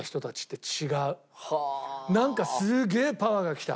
なんかすげえパワーがきた。